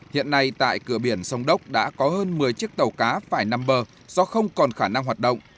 hiện nay tại cửa biển sông đốc đã có hơn một mươi chiếc tàu cá phải nằm bờ do không còn khả năng hoạt động